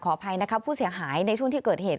อภัยนะคะผู้เสียหายในช่วงที่เกิดเหตุ